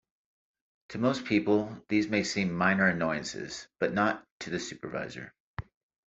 To most people, these may seem minor annoyances, but not to the supervisor.